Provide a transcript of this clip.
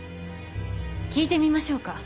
聞いてみましょうか。